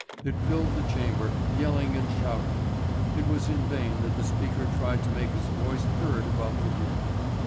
It filled the chamber, yelling and shouting. It was in vain that the Speaker tried to make his voice heard above the din.